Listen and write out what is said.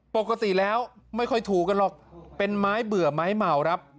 ปกติแล้วไม่ค่อยถูกกันหรอกเป็นไม้เบื่อไม้เมาครับ